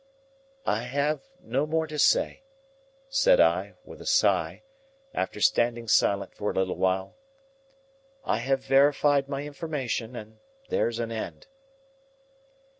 "I have no more to say," said I, with a sigh, after standing silent for a little while. "I have verified my information, and there's an end."